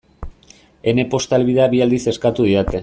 Ene posta helbidea bi aldiz eskatu didate.